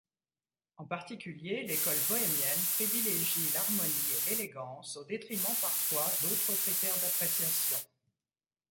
En particulier, l'école bohémienne privilégie l'harmonie et l'élégance au détriment parfois d'autres critères d'appréciation.